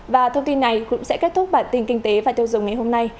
và thông tin này cũng sẽ kết thúc bản tin kinh tế và tiêu dùng ngày hôm nay